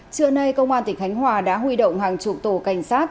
trưa nay công an tỉnh khánh hòa đã huy động hàng chục tổ cảnh sát